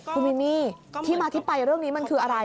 คุณมินนี่ที่มาที่ไปเรื่องนี้มันคืออะไร